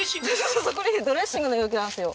そうこれドレッシングの容器なんですよ